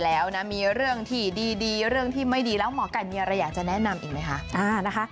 แล้วเรื่องที่ไม่ดีแล้วหมอกันนี่อะไรอยากจะแนะนำอีกไหมคะ